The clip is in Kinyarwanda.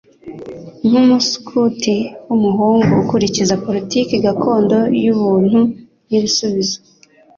nkumuskuti wumuhungu ukurikiza politiki gakondo yubuntu nibisubizo .